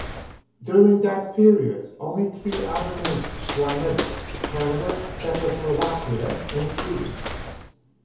During that period, only three other nations won medals: Canada, Czechoslovakia and Sweden.